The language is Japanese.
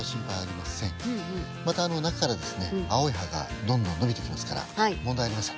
また中からですね青い葉がどんどん伸びてきますから問題ありません。